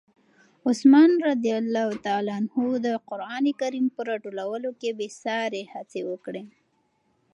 عثمان رض د قرآن کریم په راټولولو کې بې ساري هڅې وکړې.